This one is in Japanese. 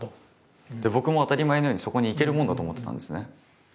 僕も当たり前のようにそこに行けるもんだと思ってたんですね。